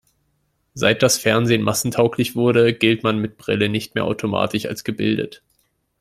Seit das Fernsehen massentauglich wurde, gilt man mit Brille nicht mehr automatisch als gebildet.